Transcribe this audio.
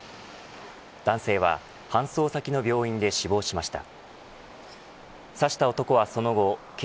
男性は、搬送先の病院で死亡しました。